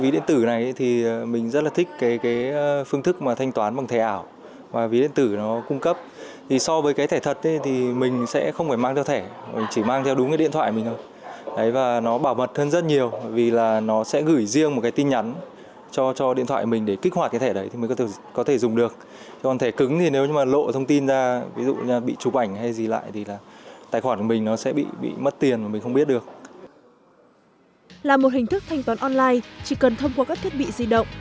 là một hình thức thanh toán online chỉ cần thông qua các thiết bị di động